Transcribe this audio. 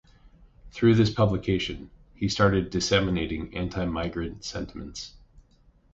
Through this publication, he started disseminating anti-migrant sentiments.